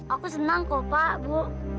aku senang kok pak bu